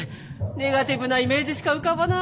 ネガティブなイメージしか浮かばない。